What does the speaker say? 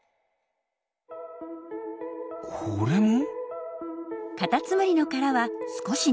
これも？